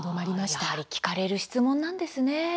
やはり聞かれる質問なんですね。